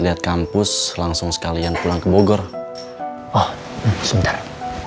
lihat kampus langsung sekalian pulang ke bogor oh sebentar